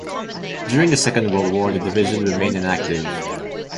During the Second World War the division remained inactive.